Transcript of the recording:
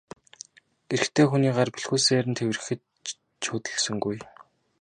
Эрэгтэй хүний гар бэлхүүсээр нь тэврэхэд ч хөдөлсөнгүй.